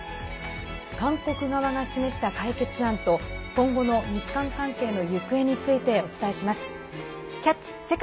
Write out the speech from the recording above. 韓国側が示した解決案と今後の日韓関係の行方についてお伝えします。